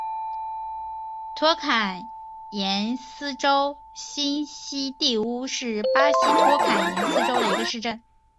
托坎廷斯州新锡蒂乌是巴西托坎廷斯州的一个市镇。